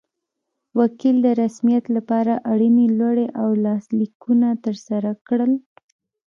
وکیل د رسمیت لپاره اړینې لوړې او لاسلیکونه ترسره کړل.